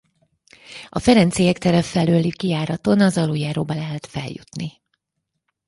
A Ferenciek tere felőli kijáraton az aluljáróba lehet feljutni.